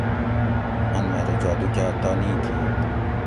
"ان مئ رہ جادُو کاۤ تانی کِیت"""